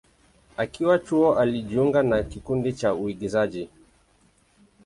Akiwa chuo, alijiunga na kikundi cha uigizaji.